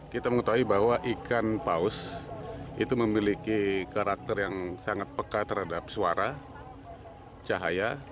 kita mengetahui bahwa ikan paus itu memiliki karakter yang sangat peka terhadap suara cahaya